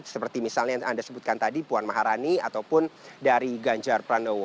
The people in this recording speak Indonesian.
seperti misalnya yang anda sebutkan tadi puan maharani ataupun dari ganjar pranowo